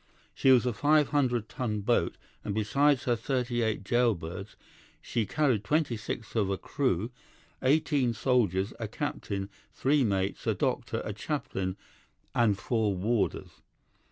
She was a five hundred ton boat, and besides her thirty eight gaol birds, she carried twenty six of a crew, eighteen soldiers, a captain, three mates, a doctor, a chaplain, and four warders.